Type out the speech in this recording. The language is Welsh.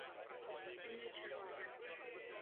Lluniwyd Siarter y Gemau.